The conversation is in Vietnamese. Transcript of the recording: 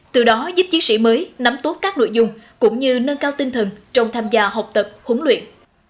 từ đó giúp chiến sĩ mới nắm tốt các nội dung cũng như nâng cao tinh thần trong tham gia học tập huấn luyện